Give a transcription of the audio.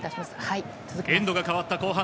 エンドが変わった後半。